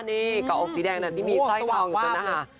นี่กะอกสีแดงนั้นที่มีสร้อยคล่องอยู่ตรงนั้นค่ะ